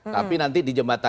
tapi nanti di jembatan